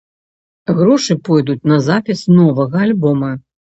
Грошы пойдуць на запіс новага альбома.